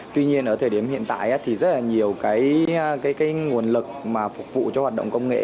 tuy nhiên ở thời điểm hiện tại thì rất là nhiều nguồn lực mà phục vụ cho hoạt động công nghệ